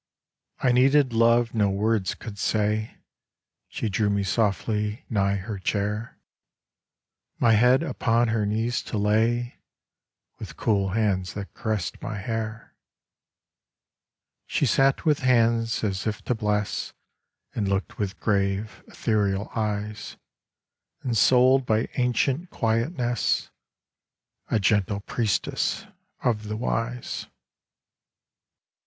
I needed love no words could say ; She drew me softly nigh her chair, My head upon her knees to lay, With cool hands that caressed my hair. She sat with hands as if to bless, And looked with grave, ethereal eyes ; Ensouled by ancient Quietness, A gentle priestess of the Wise.